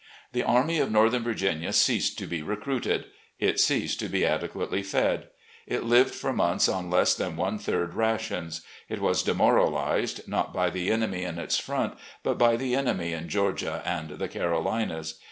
The Army of Northern Virginia ceased to be recruited, it ceased to be adequately fed. It lived for months on less than one third rations. It was demor alised, not by the enemy in its front, but by the enemy in Georgia and the Carolinas.